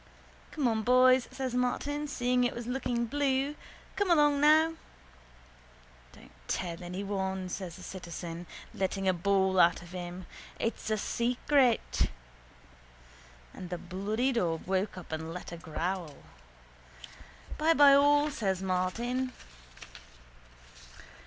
—Come on boys, says Martin, seeing it was looking blue. Come along now. —Don't tell anyone, says the citizen, letting a bawl out of him. It's a secret. And the bloody dog woke up and let a growl. —Bye bye all, says Martin.